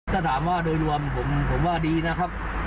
ถ้าถามว่าโดยรวมผมว่าดีนะครับ